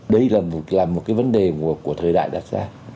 đây là một cái vấn đề của thời đại đặt ra